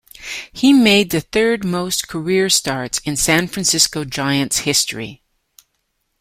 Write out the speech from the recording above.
He made the third most career starts in San Francisco Giants history.